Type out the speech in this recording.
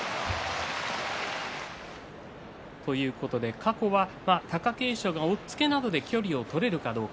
過去は貴景勝が押っつけなどで距離を取れるかどうか。